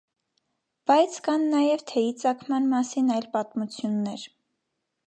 Բայց կան նաև թեյի ծագման մասին այլ պատմություններ։